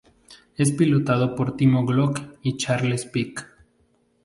Es pilotado por Timo Glock y Charles Pic.